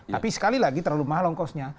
tapi sekali lagi terlalu mahal longkosnya